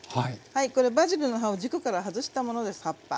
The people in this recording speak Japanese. はいこれバジルの葉を軸から外したものです葉っぱ。